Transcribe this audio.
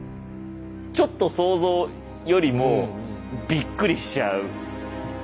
ちょっと想像よりもびっくりしちゃう。